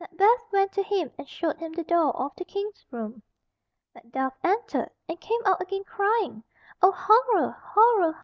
Macbeth went to him, and showed him the door of the King's room. Macduff entered, and came out again crying, "O horror! horror!